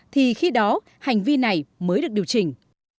thì khi đó hành vi này mới được điều chỉnh